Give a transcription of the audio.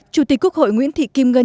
chủ tịch quốc hội nguyễn thị kim ngân